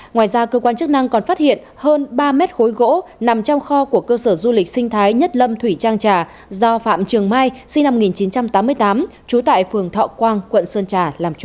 ngoài ra cơ quan chức năng còn phát hiện hơn ba mét khối gỗ nằm trong kho của cơ sở du lịch sinh thái nhất lâm thủy trang trà do phạm trường mai sinh năm một nghìn chín trăm tám mươi tám trú tại phường thọ quang quận sơn trà